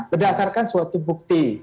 berdasarkan suatu bukti